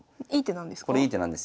これいい手なんですか？